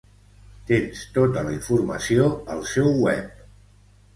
Tens tota la informació al seu web.